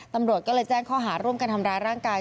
ตำรวจก็เลยแจ้งข้อหาร่วมกันทำร้ายร่างกาย